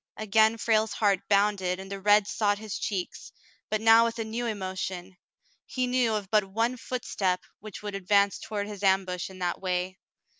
Again Frale's heart bounded and the red sought his cheek, but now with a new emotion. He knew of but one footstep which would ad vance toward his ambush in that way.